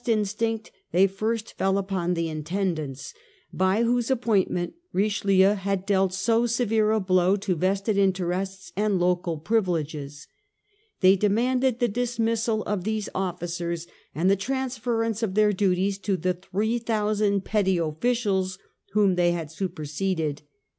i ns ti nc t they first fell upon the Intendants, by whose appointment Richelieu had dealt so severe a blow to vested interests and local privileges. They demanded the dismissal of these officers, and the transference of their duties to the 3,000 petty officials whom they had super seded.